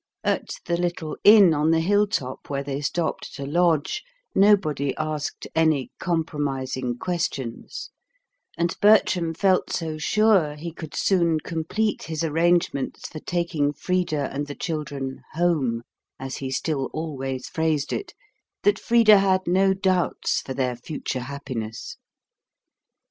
At the little inn on the hill top where they stopped to lodge, nobody asked any compromising questions: and Bertram felt so sure he could soon complete his arrangements for taking Frida and the children "home," as he still always phrased it, that Frida had no doubts for their future happiness.